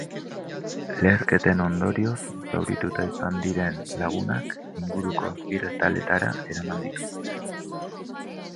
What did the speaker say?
Leherketen ondorioz zaurituta izan diren lagunak inguruko ospitaletara eraman dituzte.